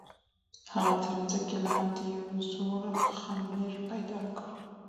هغه تر مځکي لاندي یو زوړ خمره پیدا کړه.